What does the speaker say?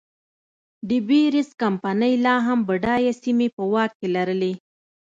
ډي بیرز کمپنۍ لا هم بډایه سیمې په واک کې لرلې.